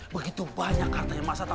begitu banyak hartanya mas arta